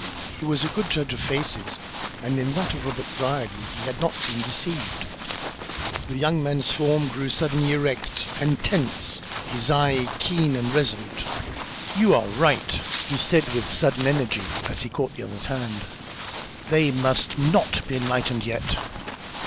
He was a good judge of faces, and in that of Robert Brierly he had not been deceived. The young man's form grew suddenly erect and tense, his eye keen and resolute. "You are right!" he said, with sudden energy, as he caught at the other's hand. "They must not be enlightened yet."